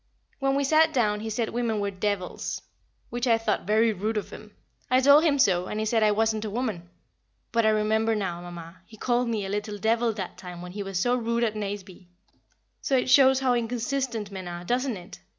When we sat down he said women were devils, which I thought very rude of him. I told him so, and he said I wasn't a woman; but I remember now, Mamma, he called me a "little devil" that time when he was so rude at Nazeby, so it shows how inconsistent men are, doesn't it?